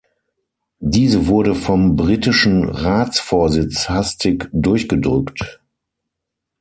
Diese wurde vom britischen Ratsvorsitz hastig durchgedrückt.